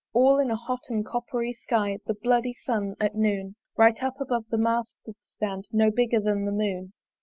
All in a hot and copper sky The bloody sun at noon, Right up above the mast did stand, No bigger than the moon.